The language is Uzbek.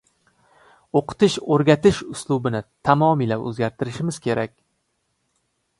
O‘qitish-o‘rgatish uslubini tamomila o‘zgartirishimiz kerak…